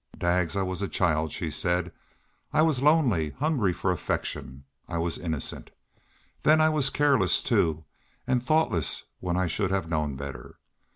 "Daggs, I was a child," she said. "I was lonely hungry for affection I was innocent. Then I was careless, too, and thoughtless when I should have known better.